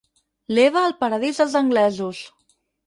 L'Eva al paradís dels anglesos.